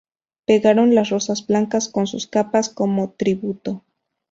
Pegaron las rosas blancas en sus capas como tributo.